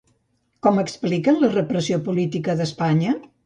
Com expliquen la repressió política d'Espanya?